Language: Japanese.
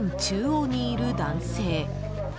中央にいる男性。